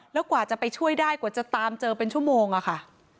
แล้วกว่าจะไปช่วยได้กว่าจะตามเจอเป็นชั่วโมงอะค่ะ